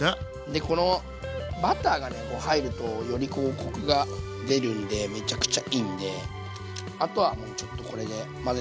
でこのバターが入るとよりコクが出るんでめちゃくちゃいいんであとはもうちょっとこれで混ぜていきます。